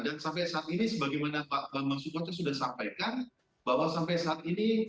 dan sampai saat ini sebagaimana pak mas sukoto sudah sampaikan bahwa sampai saat ini